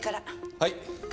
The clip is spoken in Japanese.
はい。